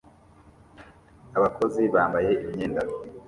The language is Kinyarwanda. Abakozi bambaye imyenda